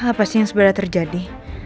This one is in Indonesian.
apa sih yang sebenarnya terjadi